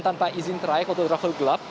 tanpa izin trayek atau travel gelap